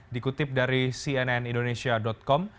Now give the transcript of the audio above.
dikutip dari cnnindonesia com